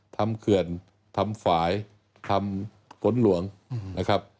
เขื่อนทำฝ่ายทำฝนหลวงนะครับ